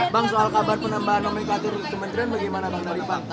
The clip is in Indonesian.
bang soal kabar penambahan nomor klatur kementerian bagaimana bang